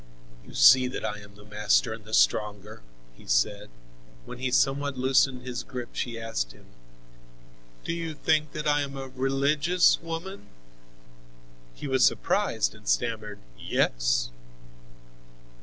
"You see that I am the master and the stronger," he said. When he somewhat loosened his grip, she asked him: "Do you think that I am a religious woman?" He was surprised and stammered "Yes."